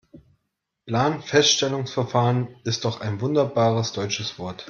Planfeststellungsverfahren ist doch ein wunderbares deutsches Wort.